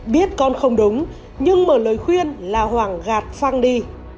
biết con không đúng nhưng mở lời khuyên là hoàng gạt phang đi